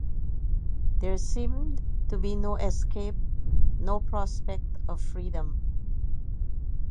There seemed to be no escape, no prospect of freedom.